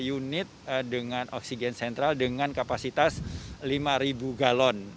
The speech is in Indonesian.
satu unit dengan oksigen sentral dengan kapasitas lima galon